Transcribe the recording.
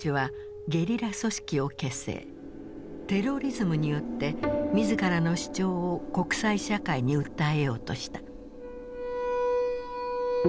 テロリズムによって自らの主張を国際社会に訴えようとした。